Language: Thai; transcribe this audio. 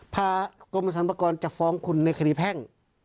กรมสรรพากรจะฟ้องคุณในคดีแพ่ง